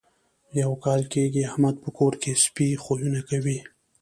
یو کال کېږي احمد په کور کې سپي خویونه کوي.